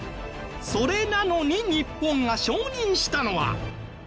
それなのに日本が承認したのは。